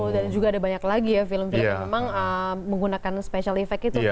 dan juga ada banyak lagi ya film film yang memang menggunakan special effects itu